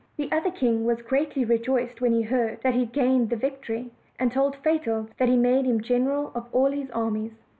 The other king was greatly rejoiced when he heard that he h ,d gained the victory, and told Fatal that he made him general of all his armies.